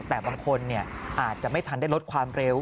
แต่บางคนอาจจะไม่ทันได้ลดความเร็ว